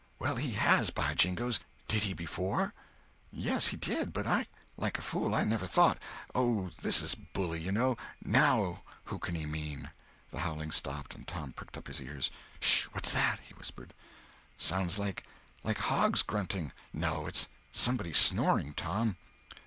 "Well, he has, by jingoes! Did he before?" "Yes, he did. But I, like a fool, never thought. Oh, this is bully, you know. Now who can he mean?" The howling stopped. Tom pricked up his ears. "Sh! What's that?" he whispered. "Sounds like—like hogs grunting. No—it's somebody snoring, Tom."